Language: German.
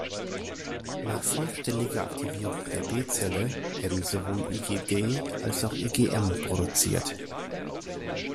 Nach vollständiger Aktivierung der B-Zelle werden sowohl IgD als auch IgM produziert.